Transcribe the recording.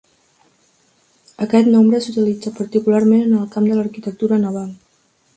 Aquest nombre s'utilitza particularment en el camp de l'arquitectura naval.